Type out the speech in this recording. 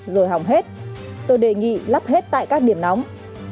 rồi hỏng hết tôi đề nghị lắp hết tại các điểm nóng